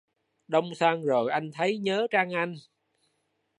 Đông sang rồi anh thấy nhớ trong anh